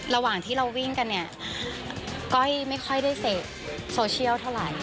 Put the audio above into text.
ระหว่างที่เราวิ่งกันเนี่ยก้อยไม่ค่อยได้เสพโซเชียลเท่าไหร่